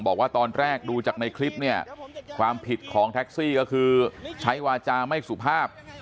บอกว่าตอนแรกดูจากในคลิปเนี่ยความผิดของแท็กซี่ก็คือใช้วาจาไม่สุภาพ